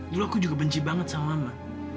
dulu aku juga benci banget sama mama